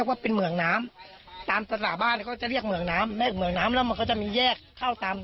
หมื่นตะว่าพี่ยังเป็นคนปากบอกว่า